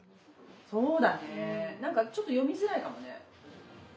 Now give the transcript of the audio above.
そうだねなんかちょっと読みづらいかもね。